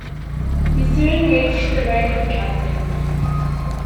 He soon reached the rank of captain.